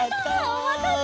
おまたせ！